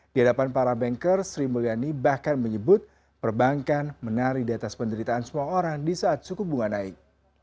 di hadapan para banker sri mulyani bahkan menyebut perbankan menari di atas penderitaan semua orang di saat suku bunga naik